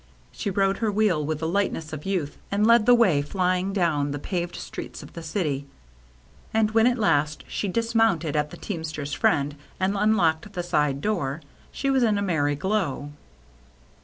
She rode her wheel with the light ness of youth, and led the way flying down the paved streets of the city. And when at last she dismounted at " The Teamster's THE RED SEAL LABEL 163 Friend/' and unlocked the side door, she was in a merry glow.